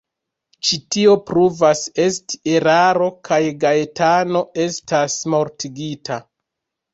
Ĉi tio pruvas esti eraro, kaj Gaetano estas mortigita.